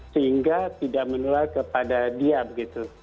sehingga tidak menular kepada dia begitu